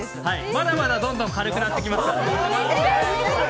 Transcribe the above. まだまだどんどん軽くなっていきますよ。